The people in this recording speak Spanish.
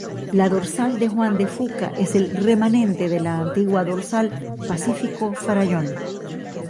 La dorsal de Juan de Fuca es el remanente de la antigua dorsal Pacífico-Farallón.